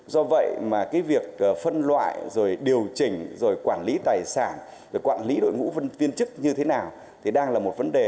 do vậy mà cái việc phân loại rồi điều chỉnh rồi quản lý tài sản rồi quản lý đội ngũ viên chức như thế nào thì đang là một vấn đề